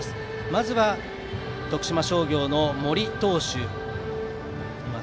まずは徳島商業の森投手。